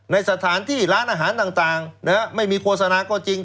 ในสถานที่ร้านอาหารต่างไม่มีโฆษณาก็จริง